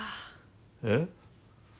えっ？